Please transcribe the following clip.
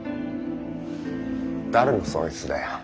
誰の損失だよ？